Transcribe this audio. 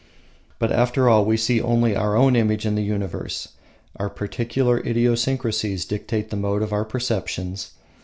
But, after all, we see only our own image in the universe, our particular idiosyncracies dictate the mode of our perceptions.